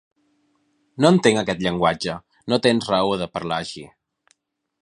No entenc aquest llenguatge: no tens raó de parlar així.